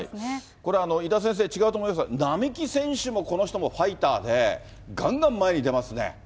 これ、伊田先生、違うと思いますが、並木選手も、この人もファイターで、がんがん前に出ますね。